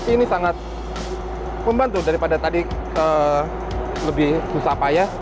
ini sangat membantu daripada tadi lebih susah payah